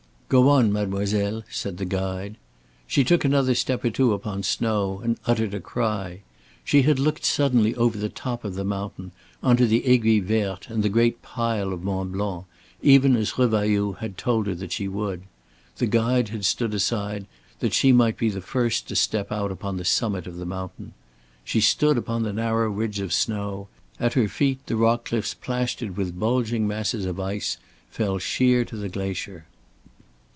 "Go on, mademoiselle," said the guide. She took another step or two upon snow and uttered a cry. She had looked suddenly over the top of the mountain on to the Aiguille Verte and the great pile of Mont Blanc, even as Revailloud had told her that she would. The guide had stood aside that she might be the first to step out upon the summit of the mountain. She stood upon the narrow ridge of snow, at her feet the rock cliffs plastered with bulging masses of ice fell sheer to the glacier.